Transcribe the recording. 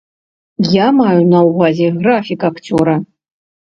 Я маю на ўвазе графік акцёра.